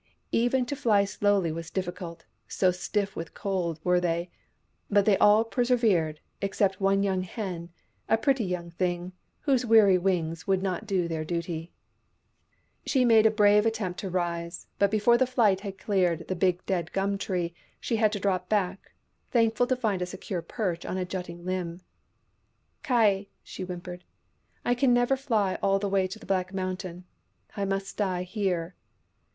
Even to fly slowly was difficult, so stiff with cold were they : but they all persevered, except one young hen — a pretty young thing, whose weary wings would not do their duty. THE BURNING OF THE CROWS 203 She made a brave attempt to rise, but before the flight had cleared the big dead gum tree she had to drop back — thankful to find a secure perch on a jutting limb. " Ky !" she whimpered. " I can never fly all the way to the Black Mountain. I must die here."